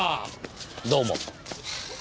どうも。